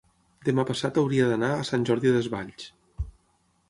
demà passat hauria d'anar a Sant Jordi Desvalls.